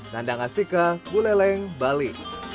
nandang astika buleleng bali